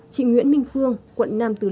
chị nguyễn minh phương quận nam trường